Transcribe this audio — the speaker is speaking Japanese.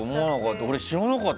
俺、知らなかった。